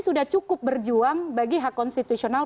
sudah cukup berjuang bagi hak konstitusional